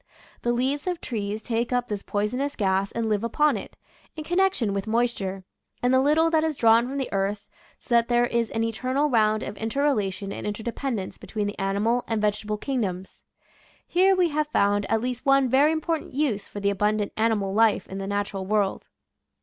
The leaves of trees take up this poisonous gas and live upon it, in connection with moisture, and the little that is drawn from the earth, so that there is an eternal round of inter relation and interdependence between the ani mal and vegetable kingdoms. Here we have found at least one very important use for the abundant animal life in the natural world.